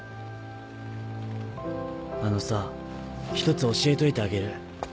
あのさ一つ教えといてあげる。